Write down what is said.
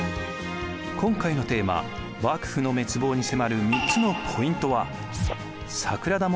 今回のテーマ「幕府の滅亡」に迫る３つのポイントは。